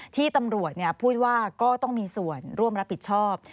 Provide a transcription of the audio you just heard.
ที่ตำรวจพูดว่าก็ต้องมีส่วนร่วมรับผิดชอบ